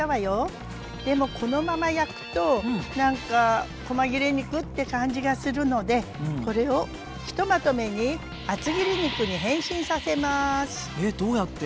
でもこのまま焼くとなんかこま切れ肉って感じがするのでこれをひとまとめにえっどうやって？